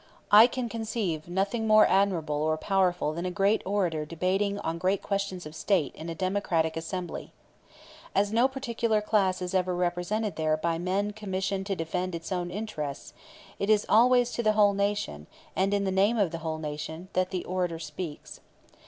I can conceive nothing more admirable or more powerful than a great orator debating on great questions of state in a democratic assembly. As no particular class is ever represented there by men commissioned to defend its own interests, it is always to the whole nation, and in the name of the whole nation, that the orator speaks.